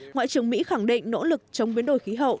ngoại trưởng mỹ khẳng định nỗ lực chống biến đổi khí hậu